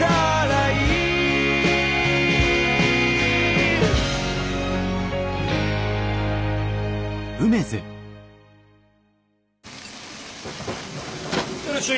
いらっしゃい。